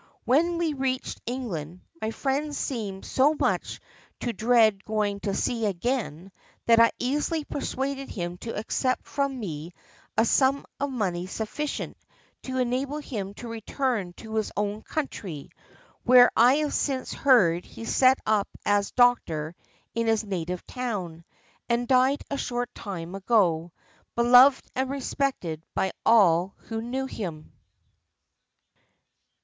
When we reached England my friend seemed so much to dread going to sea again that I easily persuaded him to accept from me a sum of money sufficient to enable him to return to his own country, where I have since heard he set up as doctor in his native town, and died a short time ago, beloved and respected by all who knew him."